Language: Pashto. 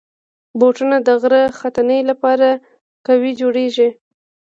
بوټونه د غره ختنې لپاره قوي جوړېږي.